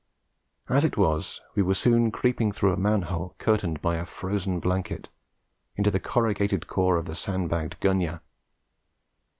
As it was, we were soon creeping through a man hole curtained by a frozen blanket into the corrugated core of the sand bagged gunyah.